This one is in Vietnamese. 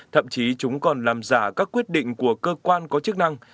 thậm chí chúng còn làm giả các quyết định của cơ quan có chức năng